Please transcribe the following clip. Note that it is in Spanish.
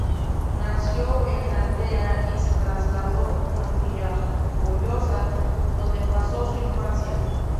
Nació en Altea y se trasladó a Villajoyosa, donde pasó su infancia.